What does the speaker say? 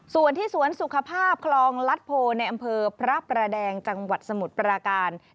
ส่วนที่สวนสุขภาพคลองลัดโพในอำเภอพระประแดงจังหวัดสมุทรปราการ